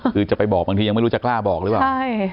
คือจะไปบอกบางทียังไม่รู้จะกล้าบอกหรือเปล่าใช่